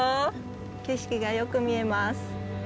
景色がよく見えます。